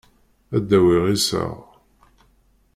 Ad d-awiɣ iseɣ.